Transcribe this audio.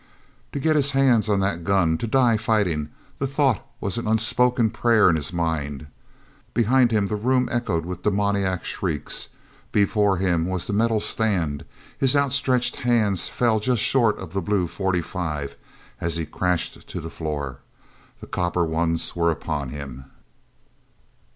o get his hands on the gun, to die fighting—the thought was an unspoken prayer in his mind. Behind him the room echoed with demoniac shrieks. Before him was the metal stand. His outstretched hands fell just short of the blue .45 as he crashed to the floor. The copper ones were upon him.